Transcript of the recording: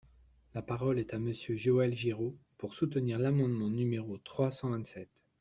La parole est à Monsieur Joël Giraud, pour soutenir l’amendement numéro trois cent vingt-sept.